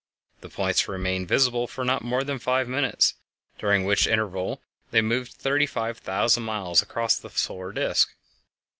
The points remained visible for not more than five minutes, during which interval they moved thirty five thousand miles across the solar disk.